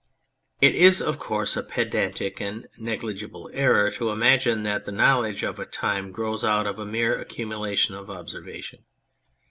It is, of course, a pedantic and negligible error to imagine that the knowledge of a time grows out of a mere accumulation of observation.